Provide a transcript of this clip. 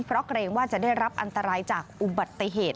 เพราะเกรงว่าจะได้รับอันตรายจากอุบัติเหตุ